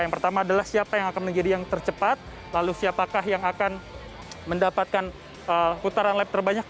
yang pertama adalah siapa yang akan menjadi yang tercepat lalu siapakah yang akan mendapatkan putaran lap terbanyak